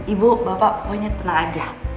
ibu bapak pokoknya tenang aja